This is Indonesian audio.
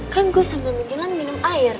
kan gue sambil menjelang minum air